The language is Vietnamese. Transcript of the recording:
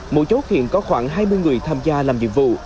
mỗi chốt hiện có khoảng hai mươi người tham gia làm nhiệm vụ